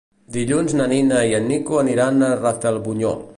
Dilluns na Nina i en Nico aniran a Rafelbunyol.